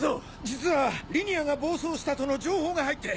実はリニアが暴走したとの情報が入って！